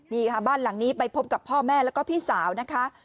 นี่ค่ะบ้านหลังนี้ไปพบกับพ่อแม่แล้วก็พี่สาวนะคะ